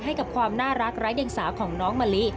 ให้กับความน่ารักไร้เดียงสาวของน้องมะลิ